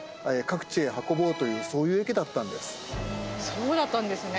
そうだったんですね。